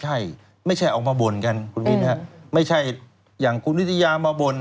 ใช่ไม่ใช่ออกมาบ่นกันคุณวินฮะไม่ใช่อย่างคุณวิทยามาบ่น